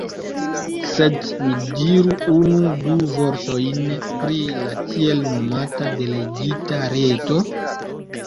Sed mi diru unu-du vortojn pri la tiel-nomata "Delegita Reto".